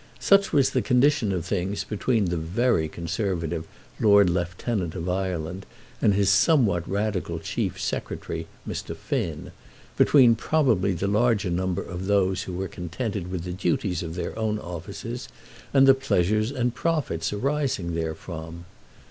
Such was the condition of things between the very conservative Lord Lieutenant of Ireland and his somewhat radical Chief Secretary, Mr. Finn, between probably the larger number of those who were contented with the duties of their own offices and the pleasures and profits arising therefrom.